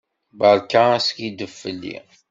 Beṛka askiddeb fell-i.